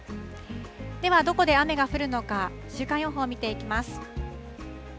では、どこで雨が降るのか週間予報見ていきます。